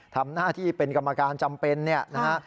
ทำหน้าที่เป็นกรรมการจำเป็นเนี่ยนะฮะ